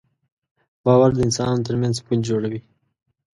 باور د انسانانو تر منځ پُل جوړوي.